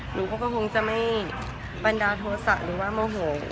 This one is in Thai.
หนูก็คงจะไม่บันดาลโทษะหรือว่าโมโห